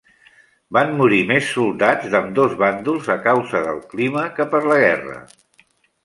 Van morir més soldats d'ambdós bàndols a causa del clima que per la guerra.